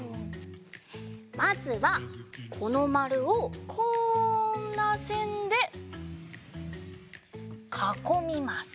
まずはこのまるをこんなせんでかこみます。